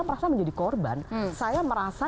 merasa menjadi korban saya merasa